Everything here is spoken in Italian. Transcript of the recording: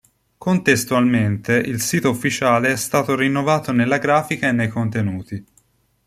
Contestualmente il sito ufficiale è stato rinnovato nella grafica e nei contenuti.